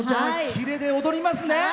キレで踊りますね！